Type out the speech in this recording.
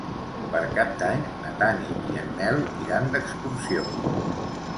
Per Cap d'Any na Tanit i en Nel iran d'excursió.